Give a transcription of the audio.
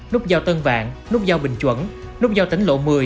nút giao tân vạn nút giao bình chuẩn nút giao tỉnh lộ một mươi